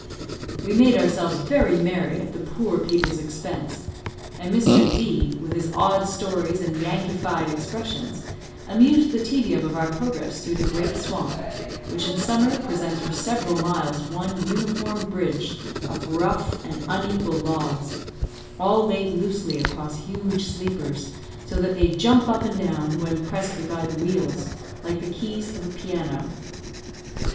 We made ourselves very merry at the poor people's expense, and Mr. D , with his odd stories and Yankeefied expressions, amused the tedium of our progress through the great swamp, which in summer presents for several miles one uniform bridge of rough and unequal logs, all laid loosely across huge sleepers, so that they jump up and down, when pressed by the wheels, like the keys of a piano.